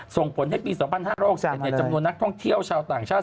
ส่งผลให้ปี๒๕๖๑จำนวนนักท่องเที่ยวชาวต่างชาติ